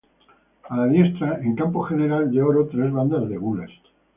A la diestra en campo general de oro tres bandas de gules.